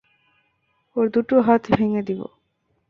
ওর দুটো হাতই ভেঙ্গে দিবো।